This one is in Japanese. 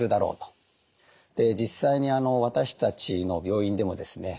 実際に私たちの病院でもですね